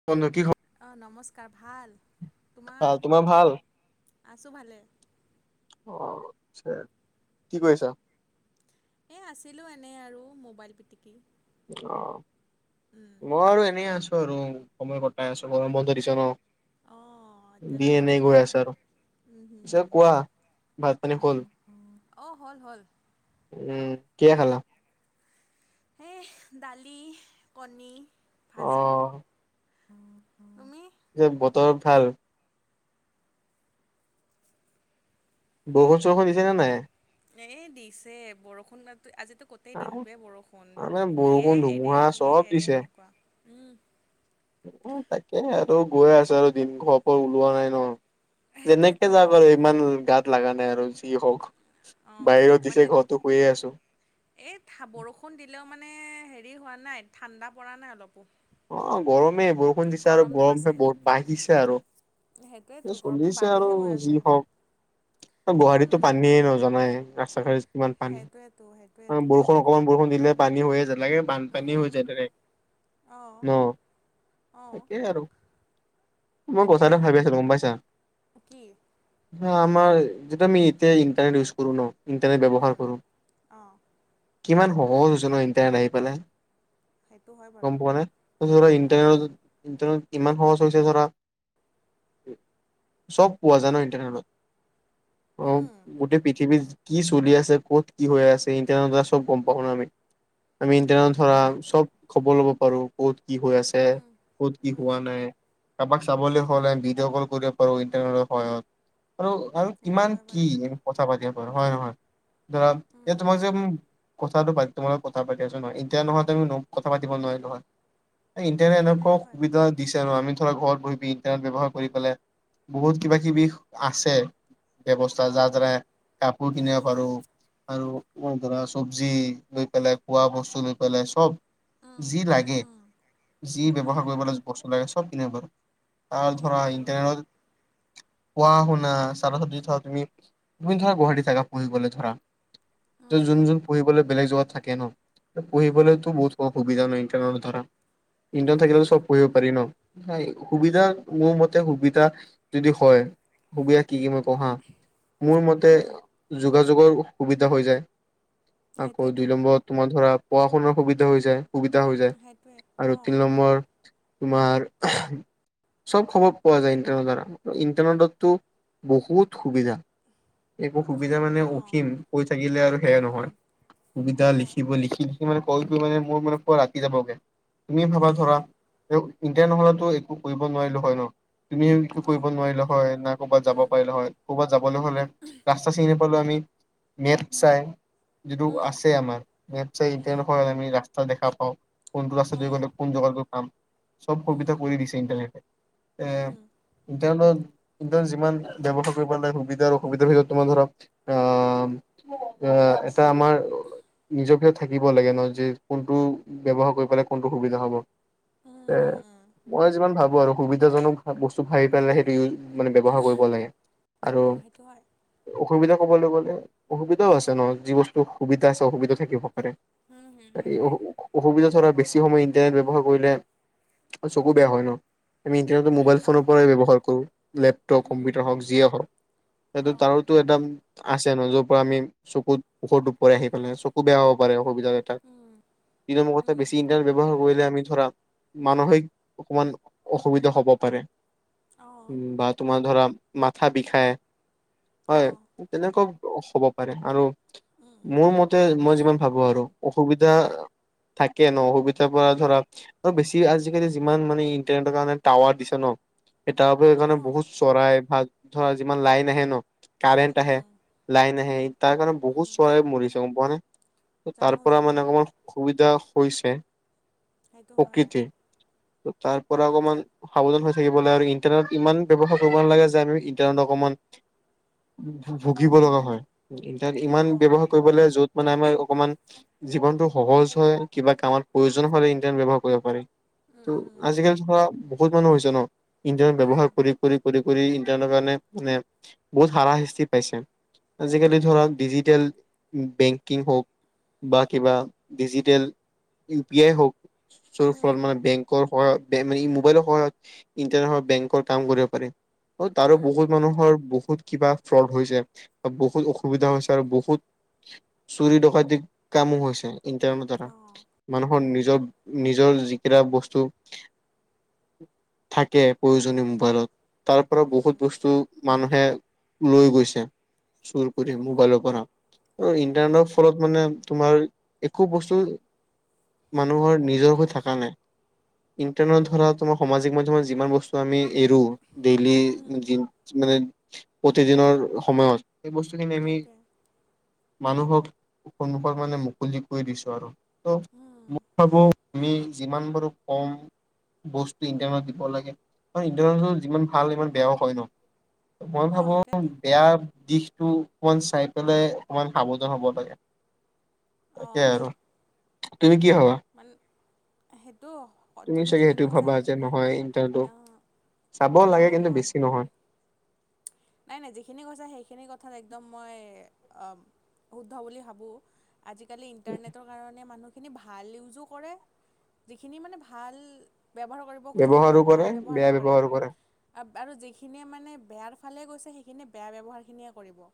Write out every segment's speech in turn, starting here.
[unintelligible] অ নমস্কাৰ ভাল ভাল, তোমাৰ ভাল? আছো ভালে অ আচ্ছা কি কৰিছা এ আছিলো এনেই আৰু মোবাইল পিটিকি অ উম মই আৰু এনে আছো আৰু সময় কটাই আছো গৰম বন্ধ দিছে ন অ দি এতিয়াতো এনেই গৰমৰ গৈ বন্ধ আছে আৰু উম পিছে হুম কোৱা ভাত পানী হ'ল? [unintelligible] অ হল হল উম কি খালা সেই দালি কণী ভাজি অ', তুমি তাৰপিছত বতৰ ভাল বৰষুণ চৰষুণ দিছে নে নাই এ দিছে বৰষুণ আজিতো কতো গোটেই দিনটোৱে বৰষুণ মানে দিয়ে বৰষুণ এৰে ধুমুহা দিয়ে চব এৰে সেনেকুৱা উম তাকেহে আৰু গৈ আছে আৰু দিন ঘৰ পৰা ওলোৱা নাই ন যেনেকে সেইটোৱেতো যাওঁ ইমান গাত লগা নাই আৰু যি হওঁক অঁ বাহিৰত মানে দিছে ঘৰতো কৈয়ে আছো এই থা বৰষুণ দিলেও মানে হেৰি হোৱা নাই ঠাণ্ডা পৰা নাই অলপো অ গৰমেই বৰষুণ দিছে আৰু গৰমটো গৰম আছে বহুত বাঢ়িছে আৰু সেইটোৱেতো এ গৰমটো চলিছে আৰু বাঢ়িহে গৈ যি আছে হওক গুৱাহাটীতটো পানীয়ে ন জানাই ৰাস্তা ঘাট কিমান পানী সেইটোৱেতো সেইটোৱেতো বৰষুণৰ অকণমান বৰষুণ দিলে পানী হৈ যায় বানপানী হৈ যায় তেনেকে অঁ ন অঁ তাকেই আৰু মই এতিয়া কথা এটা এজাক ভাবি আছো গম পাইছা কি হা আমাৰ যিটো আমি এতিয়া ইণ্টাৰনেট ইউজ কৰো ন ইণ্টাৰনেট ব্যৱহাৰ উম, কৰো অঁ কিমান সহজ হৈছে ন ইণ্টাৰনেট আহি পেলাই সেইটো হয় গম বাৰু পোৱা নে ধৰা পাইছোঁ ইণ্টাৰনেট ইণ্টাৰনেট ইমান সহজ হৈছে ধৰা চব পোৱা যায় ন ইণ্টাৰনেটত অ উম, গোটেই পৃথিৱীত কি চলি আছে ক'ত কি হৈ আছে ইণ্টাৰনেটে চব গম পাওঁ ন আমি। আমি ইণ্টাৰনেটত সেইটোতো ধৰা হয় চব খবৰ ল'ব পাৰো ক'ত কি হৈ আছে উম, ক'ত কি উম, হোৱা নাই। কাৰোবাক চাবলৈ হ'লে ভিডিঅ' কল কৰিব পাৰো ইণ্টাৰনেটৰ সহায়ত। আৰু আৰু সেইটো কিমান হয় কি বাৰু এই কথা পাতিব পাৰো হয় নে নহয়। ধৰা ইয়াত উম, তুমাক যে- কথাটো বাধ্যম লগত কথা পাতি আছো নহয় এতিয়া নহয় তমি কথা পাতিব নোৱাৰিলা হয়। ইণ্টাৰনেট এনেকুৱা সেইটোৱেতো হয় সুবিধা- দিছে নহয় আমি ধৰা ঘৰত বহি পি ইন্টাৰনেট ব্যৱহাৰ কৰি পেলাই বহুত কিবা কিবি আছে। ব্যয়ৱস্থা অঁ যাৰ দ্বাৰা কাপোৰ কিনিব পাৰো। আৰু ধৰা চবজি লৈ পেলাই খোৱা বস্তু লৈ পেলাই চব। উম, যি উম, লাগে- উম, কি সেইটো ব্যৱহাৰ হয় কৰিব বস্তু লাগে চব কিনিব পাৰো। তাৰ ধৰা সেইটো হয় বাৰু ইণ্টাৰনেটত- পোৱা শুনা চাৰ চ্জদি থোৱা তুমি তুমি ধৰা গুৱাহাটী থাকা ফুৰিব গ'লে ধৰা- উম, যোন যোন পঢ়িবলৈ- বেলেগ জেগাত থাকে ন উম, পঢ়িবলৈতো বহুত সুবিধা নহয় ইণ্টাৰনেটৰ দ্বাৰা। ইণ্টাৰনেট সেইটো থাকিলে চব হয় পঢ়িব- পাৰি ন। সুবিধা মোৰ মতে সুবিধা যদি হয়- সুবিধা কি কি মই কওঁ হাঁ, মোৰ মতে উম, যোগাযোগৰ সুবিধা হৈ যায়। আকৌ সেইটোৱেতো দুই নম্বৰ তোমাৰ ধৰা পঢ়া শুনাৰ সুবিধা হৈ যায় সুবিধা হৈ যায়। সেইটোৱে। আৰু অঁ তিনি নম্বৰ তোমাৰ- চব খবৰ পোৱা যায় ইণ্টাৰনেটৰ দ্বাৰা ইণ্টাৰনেটতো বহুত সুবিধা। এইবোৰ সুবিধা মানে অঁ অসীম কৈ থাকিলে আৰু সেখেই উম, নহয়। কবিতা অঁ লিখিব লিখি লিখি মানে কৈ কৈ মানে মোৰ মানে ৰাতি হৈ যাবগে। তুমিয়ে ভাবা ধৰা ইন্টাৰনেট নহ'লেতো একো কৰিব নোৱাৰিলো হয় ন। তুমিটো অঁ কৰিব নোৱাৰিলা হয় না ক'ৰবাত যাব উম, পাৰিলা হয়। ক'ৰবাত যাবলৈ হ'লে ৰাস্তা চিনি নাপালেও আমি নেট চাই- যিটো উম। আছে আমাৰ উম ইণ্টাৰনেটত আমি ৰাস্তা দেখা পাওঁ কোনটো ৰাস্তা দি অঁ গ'লে- কোন জেগাত গৈ পাম চব উম সুবিধা কৰি দিছে ইণ্টাৰনেটে। এ- উম তেওঁলোকৰ যিমান ব্যৱসায় কৰিব পাৰে সুবিধা অসুবিধাৰ তোমাৰ ধৰা- আঁহ এতিয়া আমাৰ- নিজৰ ভাগত থাকিব লাগে ন যে কোনটো ব্যৱহাৰ কৰি পেলাই কোনটো সুবিধা হ'ব। উম উম ত'- উম, মই যিমান ভাবো আৰু সুবিধাজনক বস্তু চাই পেলাই সেইটো ইউজ মানে ব্যয়ৱহাৰ কৰিব লাগে। আৰু- অঁ সেইটো হয় অসুবিধা কবলৈ গ'লে অসুবিধাও আছে ন যি বস্তু সুবিধা আছে অসুবিধা থাকিব পাৰে। উম হুম অ সেইটোৱে অসুবিধা ধৰা বেছি- সময় ইণ্টাৰনেট ব্যৱহাৰ কৰিলে চকু বেয়া হয় ন। আমি ইণ্টাৰনেটটো মোবাইল অঁ ফোনৰ পৰাই ব্যৱহাৰ কৰোঁ লেপটপ উম কম্পিউটাৰ হওঁক যিয়েই হওঁক। সেইটো অঁ তাৰো- সেইটো এটা আছে ন যৰ পৰা আমি চকুত ওধ পৰে আহি পালে চকু বেয়া হ'ব পাৰে অসুবিধা। উম এতিয়া কথা উম বেছি- ইন্টাৰনেট ব্যৱহাৰ কৰিলে আমি ধৰা মানসিক অকণমান অসুবিধা হব পাৰে। অঁ বা তোমাৰ ধৰা মাথা বিষাই হয়। অঁ তেনেকুৱা হ'ব পাৰে আৰু উম মোৰ মতে- তে মই যিমান ভাবো আৰু অসুবিধা কে ন সুবিধা পৰা ধৰা আৰু বেছি আজিকালি যিমান মানে ইণ্টাৰনেটৰ কাৰণে টাৱাৰ দিছে ন এ তাৰউপৰি সেইকাৰণে অঁ বহুত চৰাই ভাত ধৰা যিমান লাইন আহে ন কাৰেণ্ট আহে উম লাইন আহে উম এ তাৰ কাৰণে উম বহুত চৰাই মৰিছে গম পোৱানে অ তাৰ জানো পৰা জানো মানে অকমান অসুবিধা হৈছে সেইটো হয় প্ৰকৃতি তাৰ পৰা অকমান সাৱধান হৈ থাকিব লাগে আৰু ইণ্টাৰনেটত ইমান ব্যৱহাৰ কৰিব নালাগে যে আমি ইটাৰনেট অকমান ভুগিব লগা হয় তাত ইমান অঁ ব্যৱহাৰ কৰিবলে য'ত মানে আমাৰ অকমান জীৱনটো সহজ হয় কিবা কামত প্ৰয়োজন হ'লে ইণ্টাৰন ব্যৱহাৰ কৰিব পাৰে, উম উম ত' আজিকালি ধৰা বহুত মানুহ হৈছে ন ইণ্টাৰনেট উম বব্যৱহাৰ কৰি কৰি কৰি কৰি ইন্টাৰনেটৰ কাৰণে মানে বহুত হাৰা শাস্তি পাইছে। আজিকালি ধৰক ডিজিটেল বেংকিং হওক বা কিবা ডিজিটেল ইউ পি আই হওক য'ত ফ্রত উম মানে বেংকৰ পৰা বেন ই মোবাইলৰ পৰা ইণ্টাৰ হ বেংকৰ কাম কৰিব পাৰি, অ উম তাৰো উম, বহুত মানুহৰ বহুত কিবা ফ্ৰড হৈছে বা বহুত অসুবিধা হৈছে আৰু বহুত চুৰি ডকাইতি কামো হৈছে ইণ্টাৰনেটৰ দ্বাৰা অঁ মানুহৰ উম নিজৰ নিজৰ যিকেইটা বস্তু থাকে প্ৰয়োজনীয় মোবাইলত তাৰ পৰা উম বহুত বস্তু মানুহে লৈ গৈছে চুৰ কৰি মোবাইলৰ পৰা ত উম ইণ্টানৰ ফলত মানে তোমাৰ একো বস্তু মানুহৰ নিজৰ হৈ থকা নাই ইণ্টাৰনৰ ধৰা আমাৰ সামাজিক মাধ্যমত যিমান বস্তু আমি এৰো ডেইলি উম দিও মানে প্ৰতিদিনৰ সময়ত সেই বস্তুখিনি আমি সেইটোৱে মানুহক সন্মুখৰ মানে মুকলি কৰি দিছো আৰু ত' উম, মই ভাবো আমি যিমান পাৰোঁ কম বস্তু ইণ্টাৰনট দিব লাগে আৰু ইণ্টাৰনেটত যিমান ভাল সিমান বেয়াও হয় ন মই অঁ ভাবো সেইটোৱেতো বেয়া দিশ টো অকমান চাই পেলাই অকমান সাৱধান হ'ব লাগে, তাকে অঁ আৰু তুমি কি ভাবা? মান সেইটো হ তুমি চাগে সেইটো যিখিনি কৈছা ভাবা যে সেইখিনি নহয় ইণ্টাৰটো অ চাব লাগে কিন্তু, বেছি নহয়। নাই নাই যিখিনি কৈছে সেইখিনি কথাত একদম মই আঁ শুদ্ধ বুলি ভাবোঁ আজিকালি ইণ্টাৰনেট কাৰনে মানুহখিনি ভাল ইউজ ও কৰে যিখিনি মানে ভাল ব্যৱহাৰ কৰিব মই কওঁ যে ব্যৱহাৰো সেইখিনি কৰে ভাল ব্যৱহাৰে বেয়া কৰে ব্যৱহাৰো আৰু যিখিনিয়ে মানে বেয়াৰ ফালে গৈছে সেইখিনি বেয়া ব্যৱহাৰখিনিয়ে কৰিব।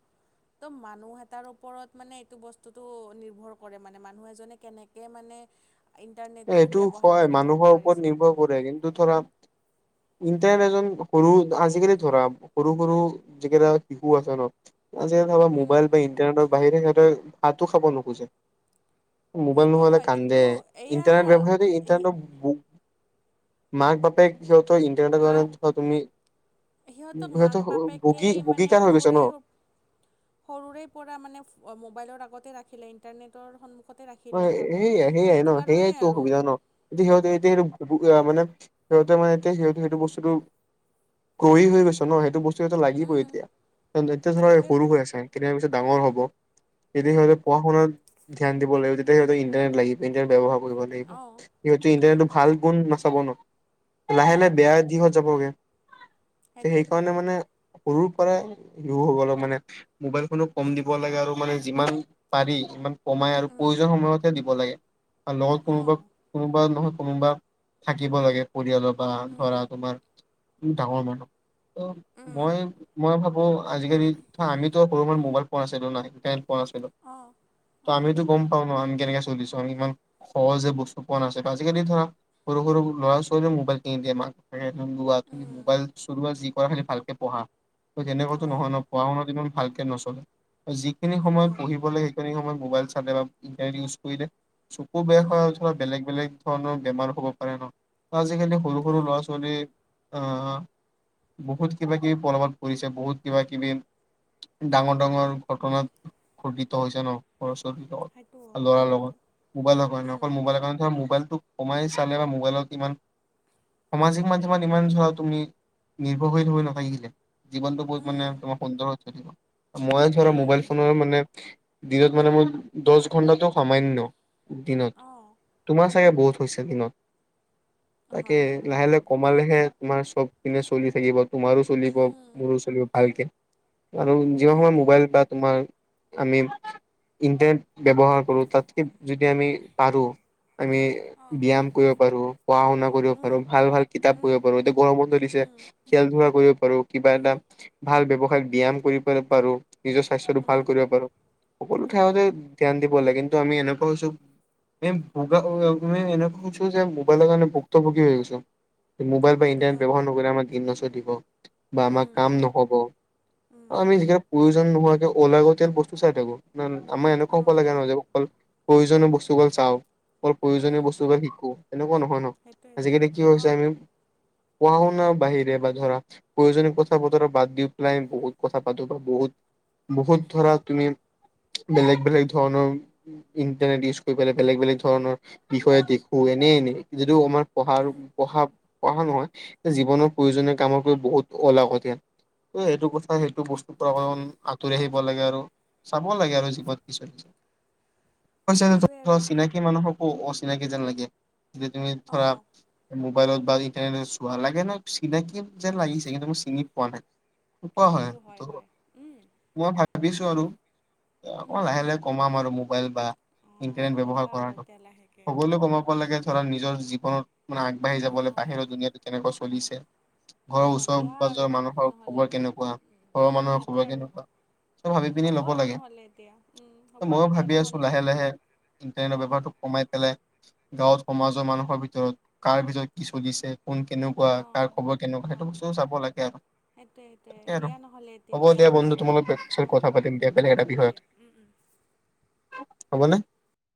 ত 'মানুহ এটাৰ ওপৰত মানে এইটো বস্তুটো নিৰ্ভৰ কৰে মানে মানুহ এজনে কেনেক কে মানে ইণ্টাৰনেটটো এইটো ব্যৱহাৰ হয় কৰিব মানুহৰ ওপৰত পাৰিছে নিৰ্ভৰ কৰে কিন্তু ধৰা ইণ্টাৰনেট এজন সৰু আজিকালি ধৰা সৰু সৰু যিকেইটা শিশু আছে ন আজিকালি ধৰা উম, মোবাইল বা ইণ্টাৰনেটৰ বাহিৰে ইহঁতে ভাটো খাব নোখোজে মোবাইল সেইটো নহ'লে হয় কান্দে কিন্তু এয়া ইণ্টাৰনেট ব্যৱহাৰ দি হি- ইণ্টাৰনেট বো মাক-বাপেক সিহঁতৰ ইটেনেটৰ মাক কাৰণে কিবা তুমি সিহঁতক সিহঁতো মাক ভোগী বাপেকেই মানে ভোগীকাৰ হৈ গৈছে ন সৰুৰে- সৰুৰে পৰা মানে মোবাইলৰ আগতে ৰাখিলে ইণ্টাৰনেটৰ সন্মখ- তে ৰাখিলে সিহঁতক সেয়াই সেয়াই ন সেইটো কাৰণে সেয়াইতো আৰু। অসুবিধা ন এতিয়া সিহঁতে এতিয়া সেইটো মানে সিহঁতে মানে এতিয়া সিহঁতে সেইটো বস্তুটো গহি হৈ গৈছে ন সেইটো বস্তু- সেইটোতো লাগিবই উম এতিয়া, এতিয়া ধৰা সৰু সেইটোৱেতো হৈ আছে কেইদিনমানৰ পিছত ডাঙৰ হ'ব। তেতিয়া উম সিহঁতে পঢ়-শুনাত ধ্যান দিব লাগিব তেতিয়াহে সিহঁতৰ ইন্টাৰনেট লাগি- ইণ্টানেট ব্যৱহাৰ কৰিব লাগিব, অঁ সিহঁতে উম ইন্টাৰনেটৰ ভাল গুণ নাচাব ন। লাহে উম লাহে বেয়া দিশত যাবগে সেইটোৱেতো সেইকাৰণে মানে- সৰুৰ পৰাই শিশুসকলক মানে- মোবাইল খনো কম দিব লাগে আৰু মানে যিমান পাৰি ইমান কমাই- আৰু উম প্ৰয়োজন সময়তে দিব লাগে আৰু লগত কোনোবা, অঁ কোনোবা নহয় কোনোবা থাকিব লাগে। পৰিয়ালৰ বা উম ধৰা তোমাৰ ডাঙৰ মানুহ। উম মই মই ভাবো আজিকালি আমিতো সৰু পৰাই মোবাইল পোৱা নাছিলো না- পোৱা না, অঁ ত' অঁ আমিতো গম পাওঁ ন আমি কেনেকে চলিছো আমি ইমান- সহজে বস্তু পোৱা নাছিলো, আজিকালি ধৰা সৰু সৰু ল'ৰা ছোৱালীয়ো মোবাইল কিনি দিয়ে মাক- োৱা, তুমি উম মোবাইল চলোৱা যি কৰা খালি ভালকে পঢ়া তেনেকুৱাটো অঁ নহয় ন। পঢ়া শুনাত ইমান ভালকে নচলে, যিখিনি সময়ত সেইটোৱে পঢ়িব লাগে সেইখিনি সময়ত মোবাইল - তাতে বা ইণ্টাৰ ইউজ কৰিলে চকু বেয়া উম হোৱাৰ বেলেগ বেলেগ- ধৰণৰ বেমাৰ হ'ব পাৰে ন, আজিকালি সৰু সৰু ল'ৰা ছোৱালী- আহ' বহুত কিবা কিবি প্ৰলাৱত পৰিছে বহুত কিবা কিবি- ডাঙৰ ডাঙৰ ঘটনাত ঘটিত হৈছে ন। সেইটো হয় ল'ৰাৰ বাৰু লগত মোবাইলৰ কাৰে উম অকল মোবাইলৰ কাৰণে মোবাইলটো- সোমাই চালে বা মোবাইলত ইমান- সামাজিক মাধ্যমত ইমান চোৱা তুমি নিৰ্ভৰশীল হৈ নাথাকিলে। জীৱনটো বহুত মানে উম তোমাৰ সুন্দৰ হৈ থাকিব, মই ধৰা মোবাইল উম ফোনৰ মানে- দিনত মানে মোৰ দহ ঘন্টাটো সামান্য দিনত। অঁ তোমাৰ চাগে বহুত হৈছে দিনত, তাকে হয় হয় লাহে দিনততো লাহে বহুত হয় কমালেহে তোমাৰ চব- কিন্তু চলি থাকিব তোমাৰো চলিব উম মোৰো চলিব ভালকে। আৰু যিমান সময় সেইটোৱেতো মোবাইল বা তোমাৰ আমি- ইণ্টাৰনেট ব্যৱহাৰ কৰোঁ তাতকৈ যদি আমি পাৰোঁ আমি- উম ব্যায়াম কৰিব পাৰো, পঢ়া শুনা কৰিব পাৰো, উম ভাল ভাল কিতাপ পঢ়িব পাৰো। গৰম বন্ধ দিছে উম খেল ধোলা কৰিব পাৰো কিবা এটা- ভাল ব্যৱসায়ত ব্যায়াম কৰিব পাৰো, নিজৰ স্বাস্থ্যটো ভাল উম কৰিব পাৰো সকলো। উম খাওঁতে ধ্যান দিব লাগে কিন্তু আমি এনেকুৱা হৈছো- [unintelligible] এনেকোৱা হৈছো যে মোবাইলৰ কাৰণে ভুক্ত ভুগি হৈ গৈছোঁ। মোবাইল বা সেইটো ইন্টাৰনেট হয় ব্যৱহাৰ নকৰিলে আমাৰ [unintelligible] দিব বা আমাৰ উম কাম নহ'ব। উম আমি [unintelligible] প্ৰয়োজন নোহোৱাকে অলাগতিয়াল বস্তু চাই থাকো। নহ আমাৰ এনেকুৱা হ'ব অঁ লাগে নহয় যে অকল প্ৰয়োজনীয় বস্তুবোৰ চাওঁ। অকল উম প্ৰয়োজনীয় বস্তুবিলাক শিকো তেনেকুৱা নহয় ন, সেইটোৱে আজিকালি কি হৈছে অঁ আমি- পঢ়া শুনা বাহিৰে বা ধৰা- প্ৰয়োজনীয় কথা বতৰা বাদ দি পেলাই বহুত কথা পাতো বা বহুত বহুত ধৰা তুমি- বেলেগ বেলেগ ধৰণৰ ইন্টাৰনেট ইউজ কৰি পেলাই বেলেগ বেলেগ ধৰণৰ- বিষয়ে দেখো এনেই এনে যিটো আমাৰ পঢ়াৰ উম পঢ়া পঢ়া নহয়। জীৱনৰ প্ৰয়োজনীয় কামতকৈ বহুত অলাগতিয়াল। এই সেইটো কথা সেইটো বস্তুৰ পৰা অকণমান আঁতৰি আহিব লাগে আৰু। চাব লাগে আৰু জীৱন কি চলিছে সেইটোৱে আৰু চিনাকি কি মানুহকো অচিনাকি যেন লাগে যে তুমি ধৰা অঁ মোবাইলত বা ইণ্টাৰনেটত চোৱা লাগে ন চিনাকি যেন লাগিছে কিন্তু মই চিনি পোৱা নাই সেনেকোৱা হয় সেইটো ত হয় উম মই ভাবিছো আৰু অকনমান উম লাহে লাহে কমাম আৰু মোবাইল বা অঁ ইণ্টাৰনেট ব্যৱহাৰ কমাবা আৰু কৰাতো এতিয়া লাহেকৈ সকলোৱে কমাব লাগে ধৰা নিজৰ জীৱনত মানে আগবাঢ়ি যাবলৈ অঁ বাহিৰৰ দুনীয়াটো কেনেকোৱা অঁ চলিছে ঘৰৰ অঁ ওচ দিয়া আৰু পাঁজৰ মানুহৰ নহ'লে খবৰ কেনেকোৱা ঘৰৰ মানুহৰ সেইটোৱে খবৰ আৰু কেনেকোৱা চ ভাবি পিনি হ'ব ল'ব আৰু লাগে নহ'লে এতিয়া হ'ব ময়ো আৰু দিয়া ভাবি আছো নহ'লে লাহে লাহে ইণ্টাৰনেটৰ অঁ ব্যৱহাৰটো কমাই পেলাই গাঁৱত সমাজৰ মানুহৰ ভিতৰত কাৰ ভিতৰত কি চলিছে কোন কেনেকোৱা অঁ কাৰ খবৰ কেনেকোৱা সেইটো অঁ বস্তু চাব লাগে আৰু সেইটোৱে তাকে সেইটোৱে আৰু দিয়া নহ'লে হ'ব এতিয়া দিয়া বন্ধু ৰাখিছো তোমাৰ লগত পিছত অ কথা পাতিম দিয়া অ বেলেগ হ'ব দিয়া উ উম হ'বনে